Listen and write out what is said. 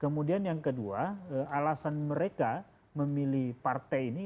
kemudian yang kedua alasan mereka memilih partai ini